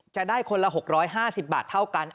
จะได้คนละ๖๕๐บาทเท่ากัน